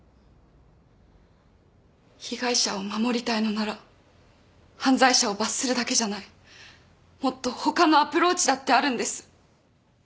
被害者を守りたいのなら犯罪者を罰するだけじゃないもっと他のアプローチだってあるんです。